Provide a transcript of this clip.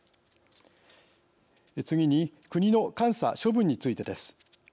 次に国の監査・処分についてです。